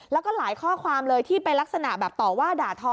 แล้วก็หลายข้อความเลยที่เป็นลักษณะแบบต่อว่าด่าทอ